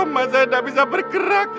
mas ait gak bisa bergerak